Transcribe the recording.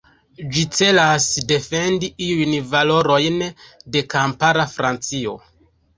Ĝi celas defendi iujn valorojn de kampara Francio.